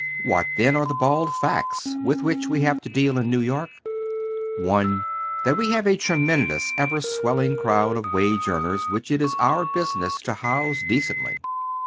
WHAT, then, are the baid facts with which we have to deal in New York ? I. That we have a tt'eiuendcms, ever swelling crowd of wage earners which it is our business to house decently.